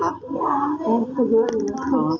ไม่รู้อีก